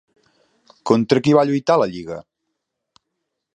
Contra qui va lluitar la lliga?